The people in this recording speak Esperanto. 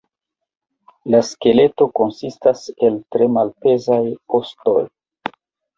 La skeleto konsistas el tre malpezaj ostoj.